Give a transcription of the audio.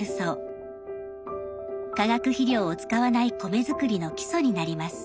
化学肥料を使わない米作りの基礎になります。